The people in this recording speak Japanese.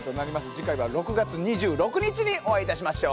次回は６月２６日にお会いいたしましょう。